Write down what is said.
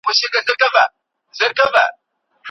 څه شی له موږ سره د بخښني په پروسه کي مرسته کوي؟